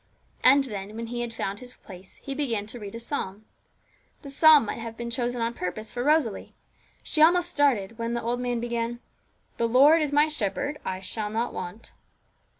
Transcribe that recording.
And then, when he had found his place, he began to read a psalm. The psalm might have been chosen on purpose for Rosalie; she almost started when the old man began 'The Lord is my shepherd: I shall not want.'